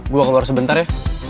gue keluar sebentar ya